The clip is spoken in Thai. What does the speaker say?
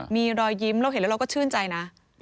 มีรอยยิ้มเราเห็นแล้วเราก็ชื่นใจนะ